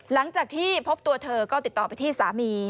หลังจากที่พบตัวเธอก็ติดต่อไปที่สามี